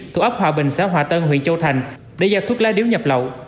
thuộc ấp hòa bình xã hòa tân huyện châu thành để giao thuốc lá điếu nhập lậu